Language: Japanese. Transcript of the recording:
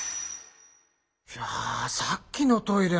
いやさっきのトイレ